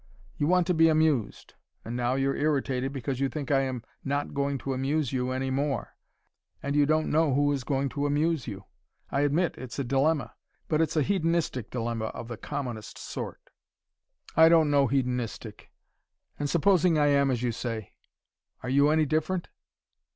You want to be amused. And now you're irritated because you think I am not going to amuse you any more: and you don't know who is going to amuse you. I admit it's a dilemma. But it's a hedonistic dilemma of the commonest sort." "I don't know hedonistic. And supposing I am as you say are you any different?"